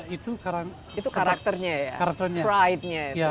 itu karakternya ya